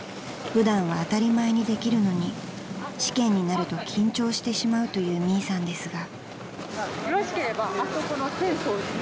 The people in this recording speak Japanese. ［普段は当たり前にできるのに試験になると緊張してしまうというミイさんですが］